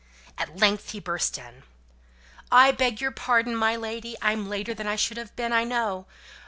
At length he burst in: "I beg your pardon, my lady, I'm later than I should have been, I know.